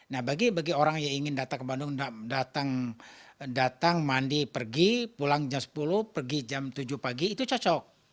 nah bagi orang yang ingin datang ke bandung datang mandi pergi pulang jam sepuluh pergi jam tujuh pagi itu cocok